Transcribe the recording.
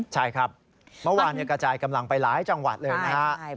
ใช่ครับเมื่อวานกระจายกำลังไปหลายจังหวัดเลยนะครับ